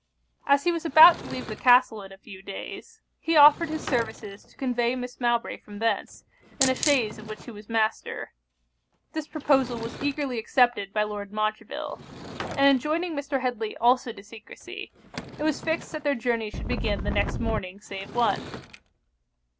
As he was about to leave the castle in a few days, he offered his services to convey Miss Mowbray from thence, in a chaise of which he was master. This proposal was eagerly accepted by Lord Montreville. And enjoining Mr. Headly also to secresy, it was fixed that their journey should begin the next morning save one.